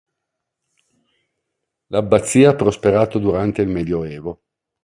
L'abbazia ha prosperato durante il Medioevo.